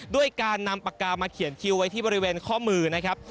ด้วยการนำปากกามาเขียนคิวไว้ที่บริเวณข้อมือนะครับ